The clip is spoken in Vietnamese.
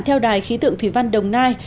theo đài khí tượng thủy văn đồng nai